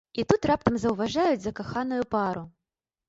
І тут раптам заўважаюць закаханую пару.